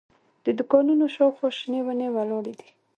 د دوکانونو شاوخوا شنې ونې ولاړې دي.